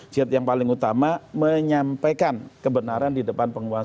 jihad yang paling utama menyampaikan kebenaran di depan penguasa